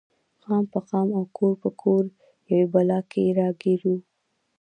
قام په قام او کور په کور یوې بلا کې راګیر و.